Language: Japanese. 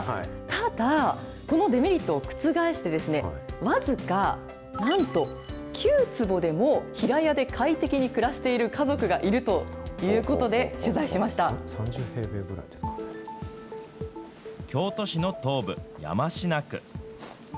ただ、このデメリットを覆して、僅かなんと９坪でも平屋で快適に暮らしている家族がいるというこ京都市の東部、山科区。